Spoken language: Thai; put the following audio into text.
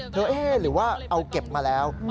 เอ๊ะหรือว่าเอาเก็บมาแล้ว